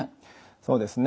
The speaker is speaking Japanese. そうですね。